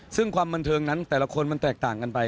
ซึ่งความบันเทิงนั้นแต่ละคนมันแตกต่างกันไป